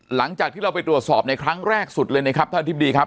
หลังจากที่เราไปตรวจสอบในครั้งแรกสุดเลยนะครับท่านอธิบดีครับ